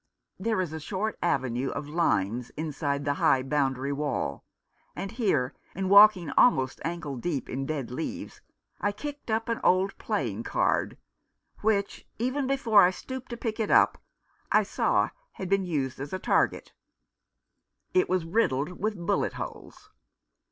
There is a short avenue of limes inside the high boundary wall, and here, in walking almost ankle deep in dead leaves, I kicked up an old playing card which, even before I stooped to pick it up, I saw had been used as a target. It was riddled with bullet holes.